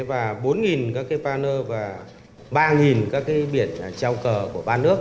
và bốn các cái paner và ba các cái biển treo cờ của ba nước